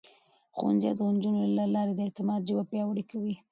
ښوونځی د نجونو له لارې د اعتماد ژبه پياوړې کوي.